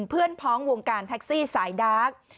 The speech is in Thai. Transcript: เพื่อนพ้องวงการแท็กซี่สายดาร์ก